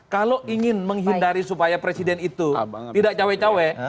kalau ingin menghindari supaya presiden itu tidak cawe cawe